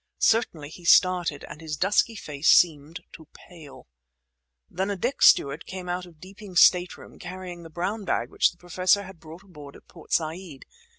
Certainly, he started; and his dusky face seemed to pale. Then a deck steward came out of Deeping's stateroom, carrying the brown bag which the Professor had brought aboard at Port Said.